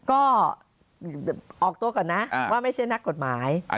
ก็ออกตัวก่อนนะว่าไม่ใช่นักกฎหมาย